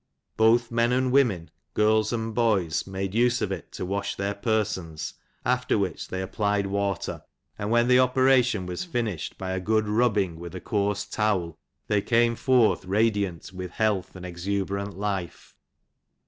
Both men and women7 girls and boys, made use of it to wash their persons, after which they applied water; and when the IX. operation mis finished by a good rubbing with a coarse towel, thej came forth radiant with health and exuberant life.